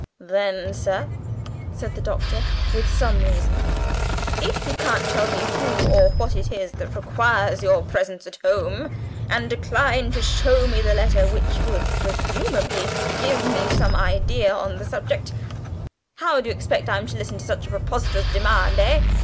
"Then, sir," said the Doctor, with some reason, "if you can't tell me who or what it is that requires your presence at home, and decline to show me the letter which would presumably give me some idea on the subject, how do you expect that I am to listen to such a preposterous demand eh?